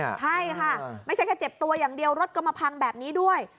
ใช่ค่ะไม่ใช่แค่เจ็บตัวอย่างเดียวรถก็มาพังแบบนี้ด้วย